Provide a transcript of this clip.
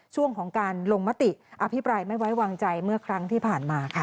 ช่วงของการลงมติอภิปรายไม่ไว้วางใจเมื่อครั้งที่ผ่านมาค่ะ